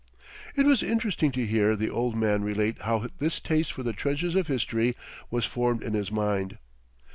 It was interesting to hear the old man relate how this taste for the treasures of history was formed in his mind.